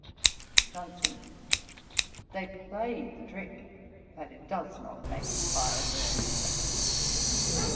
JOHNSON. 'They play the trick, but it does not make the fire burn.